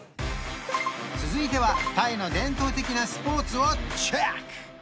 続いてはタイの伝統的なスポーツをチェック！